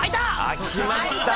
開きましたね。